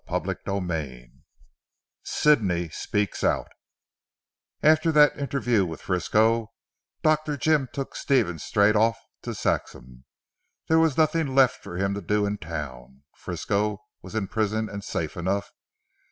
CHAPTER XXV SIDNEY SPEAKS OUT After that interview with Frisco, Dr. Jim took Stephen straight off to Saxham. There was nothing left for him to do in Town. Frisco was in prison and safe enough.